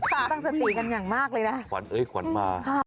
ตั้งสติกันอย่างมากเลยนะขวัญเอ้ยขวัญมา